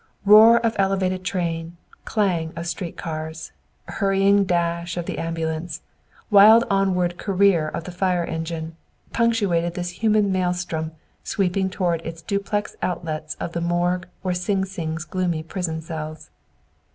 Roar of elevated train, clang of street cars, hurrying dash of the ambulance, wild onward career of the fire engine, punctuated this human maelstrom sweeping toward its duplex outlets of the morgue or Sing Sing's gloomy prison cells.